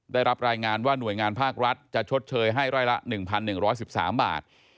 ได้รับรายงานว่าหน่วยงานภาครัฐจะชดเชยให้ไร่ละ๑๑๑๓บาท